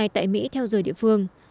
tại mỹ theo giờ địa phương